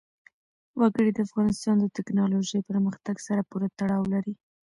وګړي د افغانستان د تکنالوژۍ پرمختګ سره پوره تړاو لري.